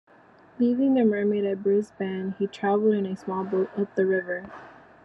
Leaving the "Mermaid" at Brisbane, he travelled in a small boat up the river.